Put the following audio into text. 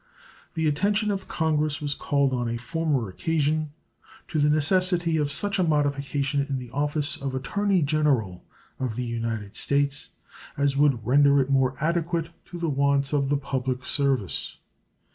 The attention of Congress was called on a former occasion to the necessity of such a modification in the office of Attorney General of the United States as would render it more adequate to the wants of the public service.